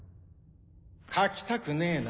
描きたくねえな。